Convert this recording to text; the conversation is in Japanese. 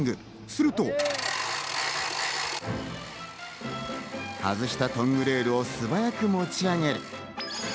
すると、外したトングレールを素早く持ち上げる。